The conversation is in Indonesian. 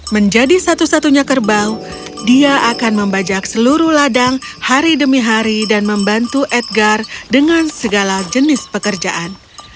menjadi satu satunya kerbau dia akan membajak seluruh ladang hari demi hari dan membantu edgar dengan segala jenis pekerjaan